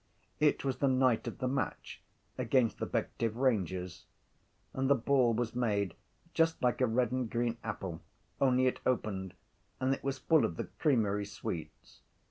It was the night of the match against the Bective Rangers and the ball was made just like a red and green apple only it opened and it was full of the creamy sweets.